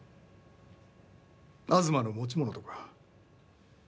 東の持ち物とか。